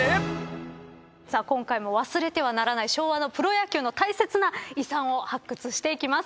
今回も忘れてはならない昭和のプロ野球の大切な遺産を発掘していきます。